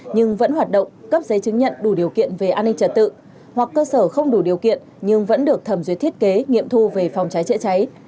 nhưng vẫn hoạt động cấp giấy chứng nhận đủ điều kiện về an ninh trật tự hoặc cơ sở không đủ điều kiện nhưng vẫn được thẩm duyệt thiết kế nghiệm thu về phòng cháy chữa cháy